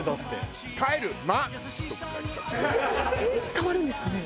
伝わるんですかね？